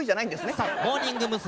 さあモーニング娘。